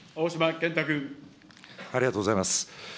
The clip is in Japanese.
ありがとうございます。